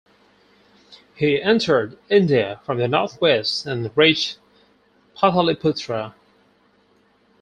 He entered India from the northwest and reached Pataliputra.